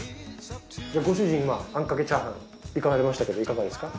ご主人今あんかけチャーハンいかれましたけどいかがですか？